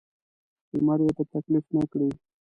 لمر یې په تکلیف نه کړي.